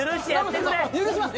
許します。